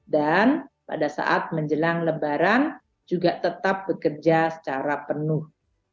dan pada saat menjelang lebaran juga tetap bekerja secara penuh